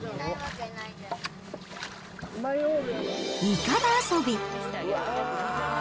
いかだ遊び。